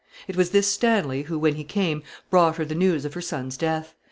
It was this Stanley who, when he came, brought her the news of her son's death.